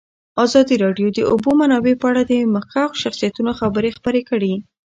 ازادي راډیو د د اوبو منابع په اړه د مخکښو شخصیتونو خبرې خپرې کړي.